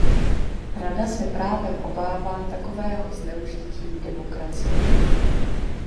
Rada se právem obává takového zneužití demokracie.